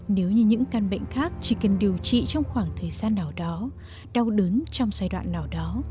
nếu như những căn bệnh khác chỉ cần điều trị trong khoảng thời gian nào đó đau đớn trong giai đoạn nào đó